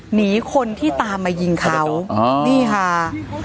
หนีคนที่ตามมายิงเขานี่ค่ะ